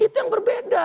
itu yang berbeda